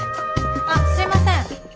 あっすみません！